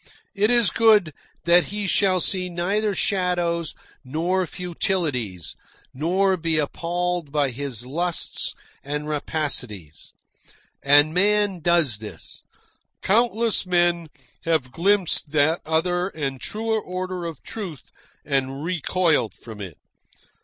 It is good that he shall see neither shadows nor futilities, nor be appalled by his lusts and rapacities. And man does this. Countless men have glimpsed that other and truer order of truth and recoiled from it.